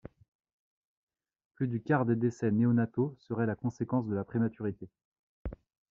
Plus du quart des décès néonataux seraient la conséquence de la prématurité.